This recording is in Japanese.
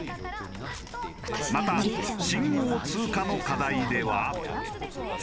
また信号通過の課題では。